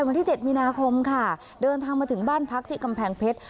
วันที่๗มีนาคมค่ะเดินทางมาถึงบ้านพักที่กำแพงเพชร